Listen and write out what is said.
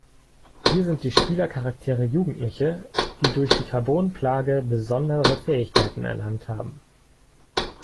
Hier sind die Spieler-Charaktere Jugendliche, die durch die Carbon-Plage besondere Fähigkeiten erlangt haben.